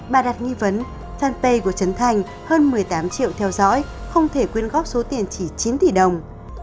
bà đặt nghi vấn tranpay của trấn thành hơn một mươi tám triệu theo dõi không thể quyên góp số tiền chỉ chín tỷ đồng